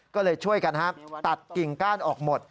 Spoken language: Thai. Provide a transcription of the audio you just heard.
ก็เลยช่วยกันตัดกิ่งก้านออกหมด